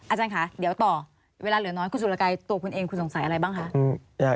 อาจารย์ค่ะเดี๋ยวต่อเวลาเหลือน้อยคุณสุรกายตัวคุณเองคุณสงสัยอะไรบ้างคะ